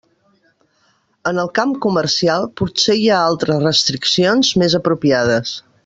En el camp comercial, potser hi ha altres restriccions més apropiades.